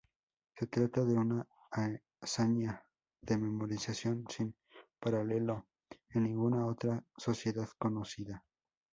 Se trata de una hazaña de memorización sin paralelo en ninguna otra sociedad conocida.